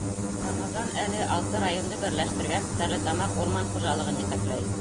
Рамазан әле алты районды берләштергән Стәрлетамаҡ урман хужалығын етәкләй.